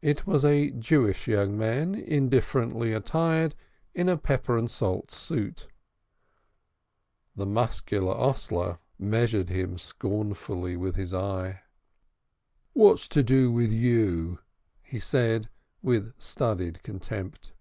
It was a Jewish young man, indifferently attired in a pepper and salt suit. The muscular hostler measured him scornfully with his eye. "What's to do with you?" he said, with studied contempt.